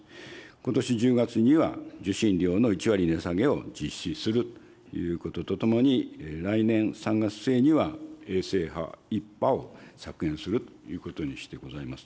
ことし１０月には、受信料の１割値下げを実施するということとともに、来年３月末には、衛星波１波を削減するということにしてございます。